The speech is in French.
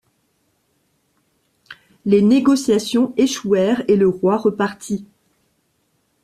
Les négociations échouèrent et le roi repartit.